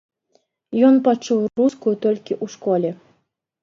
Ён пачуў рускую толькі ў школе.